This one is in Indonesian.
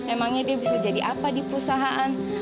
emangnya dia bisa jadi apa di perusahaan